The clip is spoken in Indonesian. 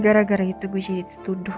gara gara itu gue jadi tuduh